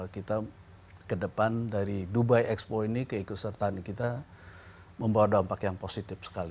kita ke depan dari dubai expo ini keikutsertaan kita membawa dampak yang positif sekali